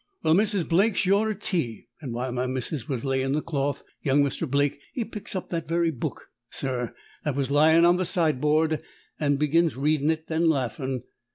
Well, Mrs. Blake she ordered tea, and while my missus was layin' the cloth young Mr. Blake he picks up that very book, sir, that was lyin' on the sideboard, and begins readin' it and laffin'.